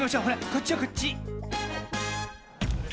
こっちよこっち。